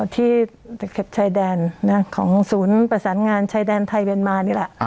ที่ตะเข็บชายแดนของศูนย์ประสานงานชายแดนไทยเมียนมานี่แหละ